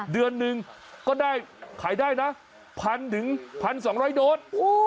เดือนหนึ่งก็ได้ขายได้นะ๑๐๐๑๒๐๐โดส